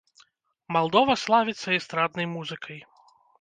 Малдова славіцца эстраднай музыкай.